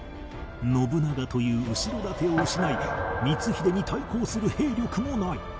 信長という後ろ盾を失い光秀に対抗する兵力もない